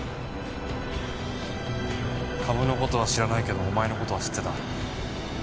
株の事は知らないけどお前の事は知ってた。